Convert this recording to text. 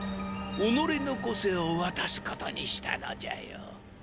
己の個性を渡す事にしたのじゃよ。